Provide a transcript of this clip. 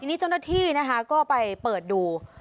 ทีนี้จนทดที่นะคะก็ไปเปิดดู